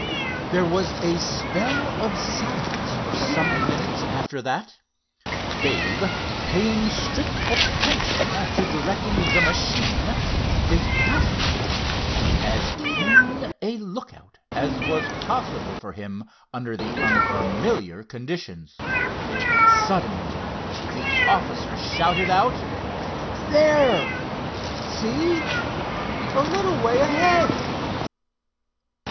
There was a spell of silence for some minutes after that, Dave paying strict attention to directing the machine, his passenger keeping as keen a lookout as was possible for him under the unfamiliar conditions. Suddenly the officer shouted out: "There! See, a little way ahead?